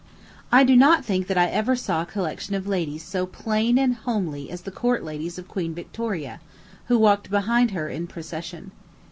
I do not think that I ever saw a collection of ladies so plain and homely as the court ladies of Queen Victoria, who walked behind her in procession.